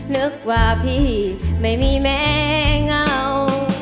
นึกว่าพี่ไม่มีแม่เงา